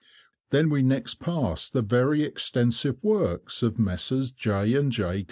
Then we next passed the very extensive works of Messrs. J. and J.